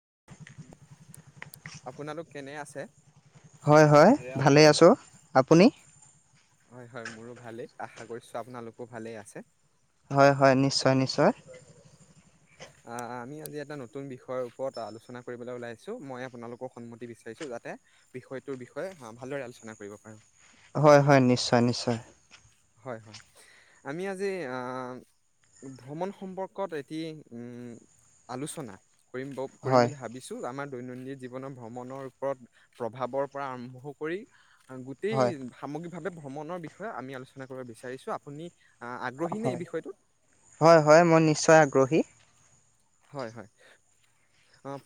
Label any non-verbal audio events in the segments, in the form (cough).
(unintelligible) আপোনালোক কেনে আছে? ভালে আছোঁ, আপুনি? হয় হয়। মোৰো ভালেই, আশা কৰিছোঁ আপোনালোকো ভালেই আছে। হয়। হয়। নিশ্চয়। নিশ্চয়। অ‌' আমি আজি এটা নতুন বিষয়ৰ ওপৰত আলোচনা কৰিবলৈ ওলাইছোঁ মই আপোনালোকৰ সন্মতি বিচাৰিছোঁ‌। যাতে বিষয়টোৰ বিষয়ে ভালদৰে আলোচনা কৰিব পাৰোঁ। হয়। হয়। নিশ্চয়। নিশ্চয়। হয়। হয়। আমি আজি ভ্ৰমণ সম্পৰ্কত এটি আলোচনা কৰিম‌ ব কৰিম হয় বুলি ভাবিছো আমাৰ দৈনন্দিন জীৱনৰ ভ্ৰমণৰ ওপৰত প্ৰভাৱৰ পৰা আৰম্ভ কৰি গোটেই হয় সামগ্ৰী ভ্ৰমণৰ বিষয়ে আমি আলোচনা কৰিব বিচাৰিছো আপুনি আহ, আগ্ৰহী নে এই বিষয়টোত? হয় হয় মই নিশ্চয় আগ্ৰহী। হয় হয়,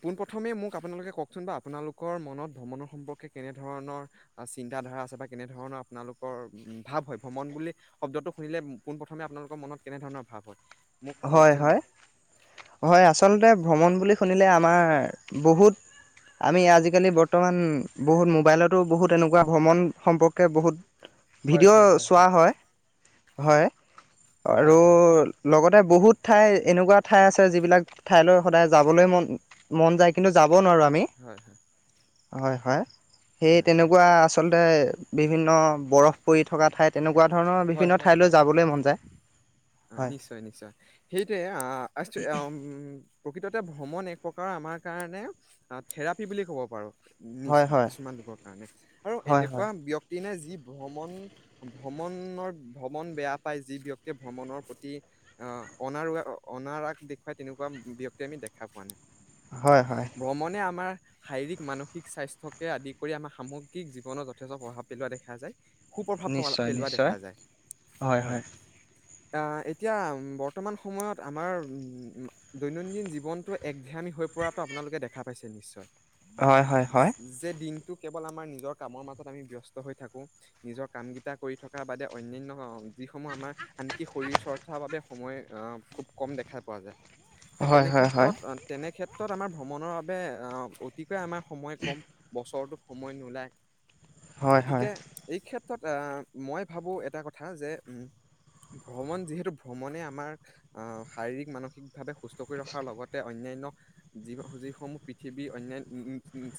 পোনপ্ৰথমে মোক আপোনালোকে কওকচোন বা আপোনালোকৰ মনত ভ্ৰমণৰ সম্পৰ্কে কেনেধৰণৰ চিন্ত ধাৰা আছে বা কেনেধৰণৰ আপোনালোকৰ ভাৱ হয় ভ্ৰমণ বুলি শব্দটো শুনিলে পোন প্ৰথমে আপোনালোকৰ মনত কেনেধৰণৰ ভাৱ হয়? মোক হয় কওকচোন হয়। বাৰু ‌ হয় আ আচলতে ভ্ৰমণ বুলি শুনিলে আমাৰ বহুত আমি আজিকালি বৰ্তমান বহুত মোবাইলতো বহুত এনেকুৱা ভ্ৰমণ সম্পৰ্কে বহুত ভিডিঅ' চোৱা হয়। হয়। হয় আৰু হয় লগত বহুত ঠাই এনেকুৱা ঠাই আছে, যিবিলাক ঠাইলৈ‌ ওলাই যাবলৈ মন যায়, কিন্তু যাবলৈ নোৱাৰোঁ আমি। হয় হয় হয়। সেই হয় হয় হয় তেনেকুৱা আচলতে বিভিন্ন বৰফ পৰি থকা ঠাইত তেনেকুৱা কুৱা ধৰণৰ হয় বিভিন্ন হয় হয় ঠাইলৈ যাবলৈ মন যায় হয়। সেই টোৱে (unintelligible) প্ৰকৃততে ভ্ৰমণ এক প্ৰকাৰৰ আমাৰ কাৰণে থেৰাপি বুলি ক'ব পাৰোঁ। নিজ হয় হয় কিছুমান লোকৰ কাৰণে আৰু হয় হয় এনেকুৱা ব্যক্তি নাই। যি ভ্ৰমণ ভ্ৰমণ, ৰ ভ্ৰমণ বেয়া পাই যি ব্যক্তিয়ে ভ্ৰমণৰ প্ৰতি আহ অনাৰগ- অনাৰাগ দেখুৱাই তেনেকুৱা ব্যক্তি আমি দেখা পোৱা নাই। হয় হয় ভ্ৰমণে আমাৰ, শাৰীৰিক মানসিক স্বাস্থ্যকে আদি কৰি আমাৰ সামগ্ৰিক জীৱনত যথেষ্ট প্ৰভাৱ পেলোৱা দেখা যায়। সু প্ৰভাৱ প নিশ্চয় পেলোৱা দেখা নিশ্চয় যায় হয় হয়। এতিয়া, বৰ্তমান সময়ত আমাৰ দৈনন্দিন জীৱনটো একঘেহামী হৈ পৰাটো আপোনালোকে দেখা পাইছে নিশ্চয় হয় হয় হয় যে দিন টো কেৱল আমাৰ নিজৰ কামৰ মাজত আমি ব্যস্ত হৈ থাকো নিজৰ কাম গীতা কৰি থাকোঁ বাদে অন্যান্য যিসমূহ আমাৰ আনকি শৰীৰ চৰ্চাৰ বাবে সময় আহ খুব কম দেখা পোৱা যায়। সেই হয় তেনে হয় হয় ক্ষেত্ৰত তেনে ক্ষেত্ৰত ত আমাৰ ভ্ৰমণৰ বাবে অতি আমাৰ সময় কম বছৰটো সময় নোলায়। হয় হয় গতিকে এই ক্ষেত তাত মই ভাবোঁ এটা কথা যে উ ভ্ৰমণ যিহেতু ভ্ৰমণে আমাৰ শাৰীৰিক মানসিক ভাৱে সুস্থ কৰি ৰখাৰ লগতে অন্যান্য যি যিসমূহ পৃথিৱী অন্যান্য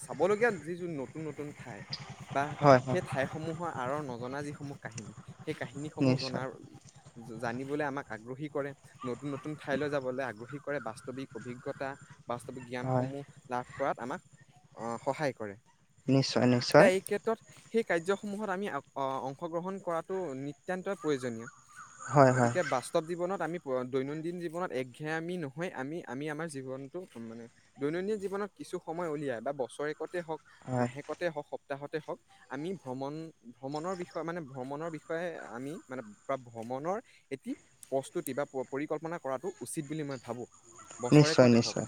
চাবলগীয়া যি নতুন নতুন ঠাই বা হয় হয় সেই ঠাইসমূহৰ আৰৰ গনাজী সমূহ কাহিনী সেই কাহিনীসমূহ নিশ্চয় জনাৰ জানিবলৈ আমাক আগ্ৰহী কৰে। নতুন নতুন ঠাইলৈ যাবলৈ আগ্ৰহী। কৰে বাস্তৱিক অভিজ্ঞতা বাস্তৱিক হয় জ্ঞানসমূহ লাভ কৰাত আমাক অ সহায় কৰে ৷ নিশ্চয়-নিশ্চয় সেই কাৰ্যসমূহত আমি আক অং অংশগ্ৰহণ কৰাটো নিতান্তই প্ৰয়োজনীয় ৷ হয় হয় গতিকে বাস্তৱ জীৱনত আমি দৈনন্দিন জীৱনত একঘ্যামী নহয় আমি আমি আমাৰ জীৱনতটো মানে দৈনন্দিন জীৱনত কিছু সময় উলিয়াই বা বছৰেক কতে হক হয় মাহেকতে হওক সপ্তাহতে হওক আমি ভ্ৰমণ ভ্ৰমণৰ বিষয় মানে ভ্ৰমণৰ বিষয়ে আমি মানে ভ্ৰমণৰ এটি প্ৰস্তুতি বা পৰিকল্পনা কৰাটো উচিত বুলি মই ভাবোঁ ৷ নিশ্চয় বছৰেকতে হওক নিশ্চয়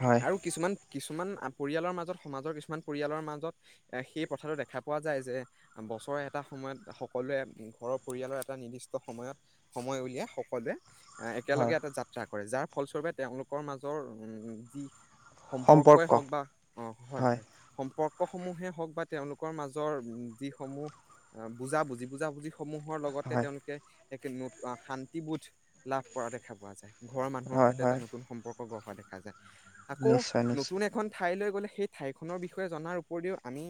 হয় আৰু কিছুমান কিছুমান আপ পৰিয়ালৰ মাজত সমাজৰ কিছুমান পৰিয়ালৰ মাজত সেই প্ৰথাটো দেখা পোৱা যায় যে বছৰে এটা সময়ত সকলোৱে ঘৰৰ পৰিয়ালৰ এটা নিৰ্দিষ্ট সময়ত সময় উলিয়াই সকলোৱে একেলগে হয় এটা যাত্ৰা কৰে যাৰ ফলস্বৰূপে তেওঁলোকৰ মাজৰ যি সম্পৰ্কই সম্পৰ্ক হওক বা অ হয় হয়-হয় সম সম্পৰ্কসমূহে হওক বা তেওঁলোকৰ মাজৰ উ যিসমূহ অ বুজাবুজি - বুজাবুজি সমূহৰ লগতে হয় তেওঁলোকে এক নত শান্তিবোধ লাভ কৰা দেখা পোৱা যায় ৷ ঘৰৰ মানুহৰ হয় সৈতে এটা হয় নতুন সম্পৰ্ক হা দেখা যায় ৷ আকৌ নিশ্চয় নিশ্চয় নতুন এখন ঠা ঠাইলৈ গ'লে সেই ঠাইখনৰ বিষয়ে জনাৰ উপৰিও আমি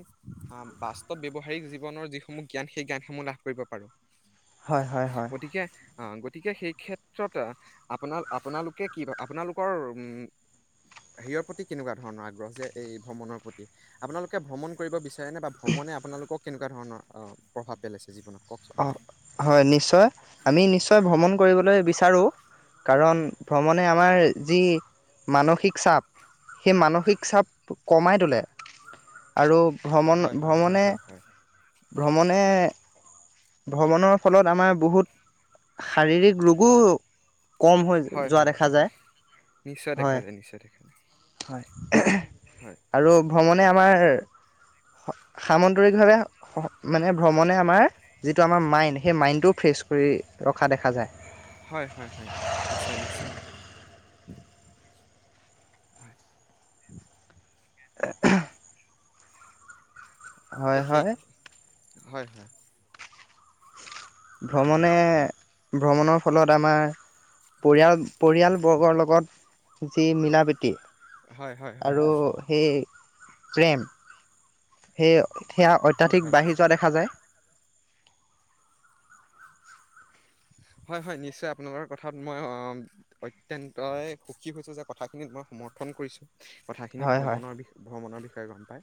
বাস্তৱ ব্যৱহাৰিক জীৱনৰ যি মূহ জ্ঞান সেই জ্ঞানসমূহ লাভ কৰিব পাৰো ৷ হয়-হয়-হয় অ গতিকে সেই ক্ষেত্ৰতে আপোনাৰ আপোনালোকে কি আপোনালোকৰ উম হেৰিয়ৰ প্ৰতি কেনেকুৱা ধৰণৰ আগ্ৰহ যে এই ভ্ৰমণৰ প্ৰতি আপোনালোকে ভ্ৰমণ কৰিব বিচা নে বা ভ্ৰমণে আপোনালোকক কেনেকা ধৰণৰ? অ প্ৰভাৱ পেলাইছে? জীৱনত কওকচোন অঁ হয় নিশ্চয় আমি নিশ্চয় ভ্ৰমণ কৰিবলৈ বিচাৰোঁ কাৰণ ভ্ৰমণে আমাৰ যি মানসিক চাপ সেই মানসিক চাপ কমাই তোলে ৷ আৰু ভ্ৰমণ হয় হয় হয় হয় হয় ভ্ৰমণে-ভ্ৰমণে ভ্ৰমণৰ ফলত আমাৰ বহুত শাৰীৰিক ৰোগোও হয় হয় হয় নিশ্চয় দেখা যায় নিশ্চয় দেখা যায়। উ। হয় আৰু ভ্ৰমণে আমাৰ সামন্তৰিকভাৱে মানে ভ্ৰমণে আমাৰ। যিটো আমাৰ মাইণ্ড সেই মাইণ্ডটোও ফ্ৰেছ কৰি ৰখা দেখা যায়। হয় হয় হয় নিশ্চয় নিশ্চয় হয় আহ দে হয় সেই হয় হয় হয় ভ্ৰমণে ভ্ৰমণৰ ফলত আমাৰ পৰিয়াল। পৰিয়ালবৰ্গৰ লগত। যি মিলাপীতি। হয় হয় হয় আৰু হয় সেই। প্ৰেম সেইয়। সেয়া হয় অত্যাধিক হয় বাঢ়ি যোৱা দেখা যায়। হয় হয় নিশ্চয় আপোনালোকৰ কথাত মই অতন্তই সুখী হৈছো যে কথাখিনিত মই সমৰ্থন কৰিছোঁ? কথাখিনি হয় হয় ভ্ৰমণৰ বি ভ্ৰমণৰ বিষয়ে। ষাই গম পায়।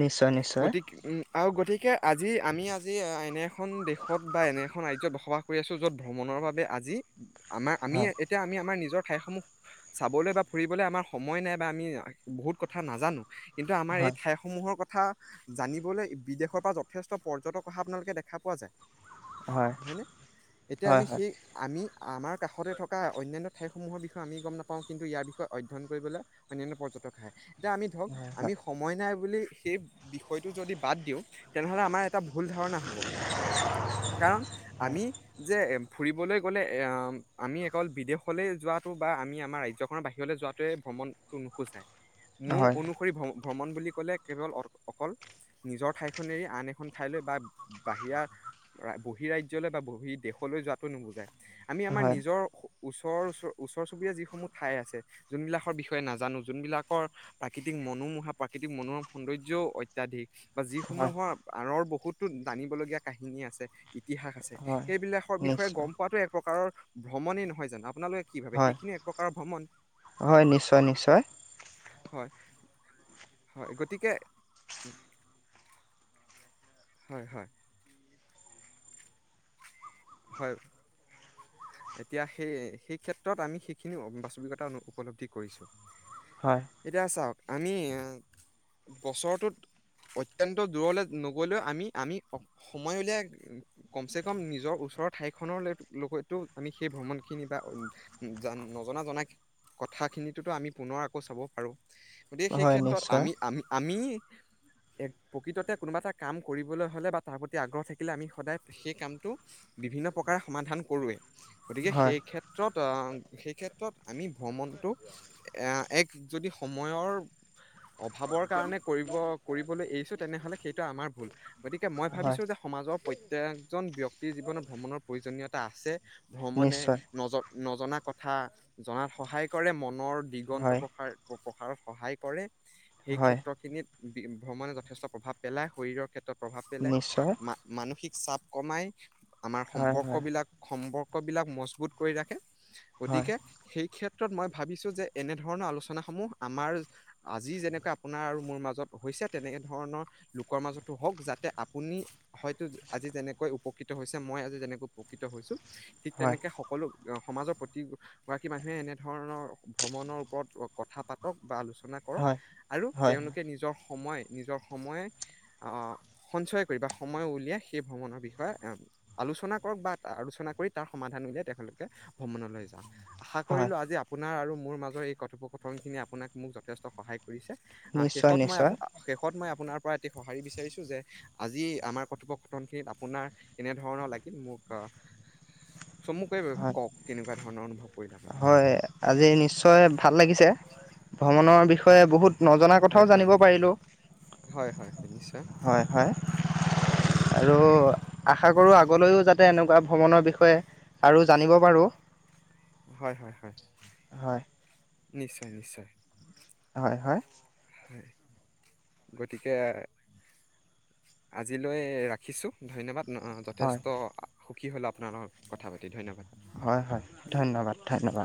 নিশ্চয় নিশ্চয় গতিক উম আৰু গতিকে। আজি আমি আজি এনে এখন দেশত বা এনে এখন ৰাজ্যত বসবাস কৰি আছোঁ? য'ত ভ্ৰমণৰ বাবে আজি। আমাৰ আমি হয় এতিয়া আমি আমাৰ নিজৰ। ঠাইসমূহ চাবলৈ বা ফুৰিবলৈ আমাৰ সময় নাই বা আমি বহুত কথা নাজানো? কিন্তু আমাৰ এই হয় ঠাইসমূহৰ কথা। কথা জানিবলৈ বিদেশৰ পৰা যথেষ্ট পৰ্যটক অহা আপোনালোকে দেখা পোৱা যায়। হয় হয়নে এতিয়া হয় আমি হয় সেই আমি। মি আমাৰ কাষতে থকা অ অন্যান্য ঠাইসমূহৰ বিষয়ে আমি গম নাপাওঁ কিন্তু ইয়াৰ বিষয়ে অধ্যয়ন কৰিবলৈ অন্যান্য পৰ্যটক। এতিয়া আমি ধৰক আমি হয় সময় নাই। বুলি সেই বিষয়টো যদি বাদ দিওঁ তেনেহলে আমাৰ এটা ভুল ধাৰণা হ'ব কাৰণ আমি। যে ফুৰিবলৈ গ'লে আমি অকল বিদেশলৈ যোৱাটো বা আমি আমাৰ ৰাজ্যখনৰ বাহিৰলৈ যোৱাটোৱে ভ্ৰমণটো নোহোচায়। মোৰ হয় অনুসৰি ভ্ৰমণ। ভ্ৰমণ বুলি ক'লে কেৱল অ অকল নিজৰ ঠাইখনেৰে আন এখন ঠাইলৈ বা বাহিৰা বহীঃ ৰাজ্যলৈ বা বহী। দেশলৈ যোৱাতটো নুবুজাই। আমি আমাৰ হয় নিজৰ। ওচৰ ওচৰ চুবুৰীয়া যিসমূহ ঠাই আছে যোনবিলাকৰ বিষয়ে নাজানো যোনবিলাকৰ প্ৰাকৃতিক মনোমোহা প্ৰাকৃতিক মনোৰম সৌন্দৰ্যও অত্যাধিক বা হয় যিসমূহৰ আৰৰ বহুত টো জানিবলগীয়া কাহিনী আছে ইতিহাস আছে হয় সেইবিলাকৰ বিষয়ে নিশ্চয় গম পোৱাটো এক প্ৰকাৰৰ ভ্ৰমণে নহয় জানো? আপোনালোকে কি ভাবে হয় সেইখিনিয়ে এক প্ৰকাৰৰ ভ্ৰমণ হয় নিশ্চয় নিশ্চয় হয় হয় গতিকে হয় হয় হয় এতিয়া সেই সেই ক্ষেত্ৰত আমি সেইখিনি বাস্তৱিকতা উপলদ্ধি কৰিছো হয় এতিয়া চাওক আমি এ বছৰটোত অত্যন্ত দূৰলৈ নগলেও আমি আমি সময় উলিয়াই কমচে কম নিজৰ ওচৰ ওচৰ ঠাইখনৰ লগততো আমি সেই ভ্ৰমণখিনি বা নজনা জনা কথাখিনিততো আমি পুনৰ আকৌ চাব পাৰোঁ গতিকে সেই হয় ক্ষেত্ৰত নিশ্চয় আমি আমি আমি এক প্ৰকৃততে কোনোবা এটা কাম কৰিবলৈ হলে বা তাৰ প্ৰতি আগ্ৰহ থাকিলে আমি সদায় সেই কামটো বিভিন্ন প্ৰকাৰে সমাধান কৰোৱে গতিকে হয় সেই ক্ষেত্ৰত আহ সেই ক্ষেত্ৰত আমি ভ্ৰমণটো এ এক যদি সময়ৰ অভাৱৰ কাৰণে কৰিব কৰিবলৈ এৰিছো তেনেহলে সেইটো আমাৰ ভুল গতিকে মই হয় ভাবিছো যে সমাজৰ প্ৰত্যকজন ব্যক্তিৰ জীৱনত প্ৰয়োজনীয়তা আছে। ভ্ৰমণে নিশ্চয় নজৰ নজনা কথা জনাত সহায় কৰে মনৰ দিগন্ত হয় প্ৰসাৰ প্ৰসাৰত সহায় কৰে সেই হয় ক্ষেত্ৰ খিনিত ভ্ৰমণে যথেষ্ট প্ৰভাৱ পেলাই শৰীৰৰ ক্ষেত্ৰত প্ৰভাৱ পেলাই নিশ্চয় মা মানসিক চাপ কমাই আমাৰ হয় সম্পৰ্ক হয় বিলাক সম্পৰ্ক বিলাক মজবুত কৰি ৰাখে হয় গতিকে সেই ক্ষেত্ৰ ক্ষেত্ৰত মই ভাবিছো যে এনেধৰণৰ আলোচনা সমূহ আমাৰ আজি যেনেকৈ আপোনাৰ আৰু মোৰ মাজত হৈছে তেনে ধৰণৰ লোকৰ মাজতো হওঁক যাতে আপুনি হয়তো আজি যেনেকৈ উপকৃত হৈছে। মই আজি যেনেকৈ উপকৃত হৈছো ঠিক হয় তেনেকে সকলো সমাজৰ প্ৰতিগৰাকী মানুহে এনেধৰণৰ ভ্ৰমণৰ ওপৰত কথা পাতক বা আলোচনা কৰক হয় আৰু হয় তেওঁলোকে নিজৰ সময় নিজৰ সময়, আহ সঞ্চয় কৰিবা সময় উলিয়াই সেই ভ্ৰমণৰ বিষয়ে আহ আলোচনা কৰক বা আলোচনা কৰি তাৰ সমাধান উলিয়াই তেওঁখলোকে ভ্ৰমণলৈ যাওক। আশা হয় কৰিলো আজি আপোনাৰ আৰু মোৰ মাজৰ এই কথোপথনখিনি আপোনাক মোক যথেষ্ট সহায় কৰিছে আহ নিশ্চয় শেষত মই নিশ্চয় শে মই আপোনাৰ পৰা এটি সঁহাৰি বিচাৰিছোঁ যে আজি আমাৰ কথোপকথনখিনিত আপোনাৰ কেনে কেনে ধৰণৰ লাগিল মোক অ হয় কৰিলে আপুনি? হয় আজি নিশ্চয় ভাল লাগিছে, ভ্ৰমণ ভ্ৰমন বিষয়ে হয় বহুত নজনা হয় কথাও হয় জানিব পাৰিলো। হয় হয় নিশ্চয়। হয় হয় আৰু আশা কৰোঁ আগলৈও যাতে এনেকুৱা ভ্ৰমণৰ বিষয়ে আৰু জানিব পাৰোঁ। হয় হয় হয়। হয়। নিশ্চয় নিশ্চয়। হয় হয়। হয় গতিকে আজিলৈ ৰাখিছোঁ ধন্যবাদ। অ অ হয় যথেষ্ট কি হ'ল আপোনাৰ লগৰ কথা পাতি ধন্যবাদ। হয় হয় ধন্যবাদ ধন্যবাদ